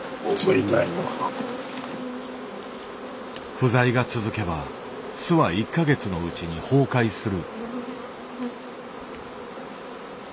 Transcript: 不在が続けば巣は１か月のうちに崩壊する。